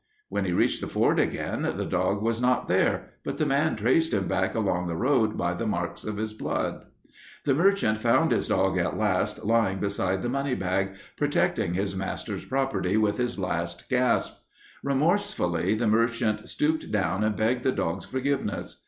When he reached the ford again, the dog was not there, but the man traced him back along the road by the marks of his blood. "The merchant found his dog at last, lying beside the money bag, protecting his master's property with his last gasp. Remorsefully the merchant stooped down and begged the dog's forgiveness.